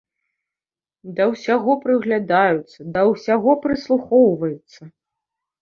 Да ўсяго прыглядаюцца, да ўсяго прыслухоўваюцца.